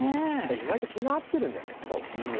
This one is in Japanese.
意外と気が合ってるんじゃないですか